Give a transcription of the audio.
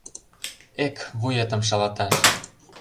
Эк, вуетым шалаташ!